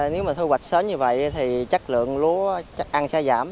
nếu mà thu hoạch sớm như vậy thì chất lượng lúa chắc ăn sẽ giảm